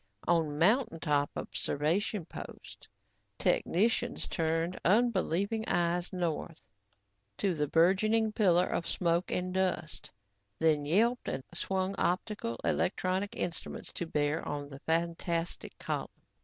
On mountain top observation posts, technicians turned unbelieving eyes north to the burgeoning pillar of smoke and dust, then yelped and swung optical and electronic instruments to bear on the fantastic column.